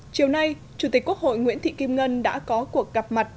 chiều nay chủ tịch quốc hội nguyễn thị kim ngân đã có cuộc gặp mặt